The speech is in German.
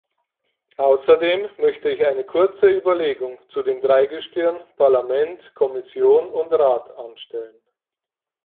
Außerdem möchte ich eine kurze Überlegung zu dem Dreigestirn Parlament, Kommission und Rat anstellen.